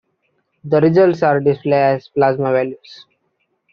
The results are displayed as plasma values.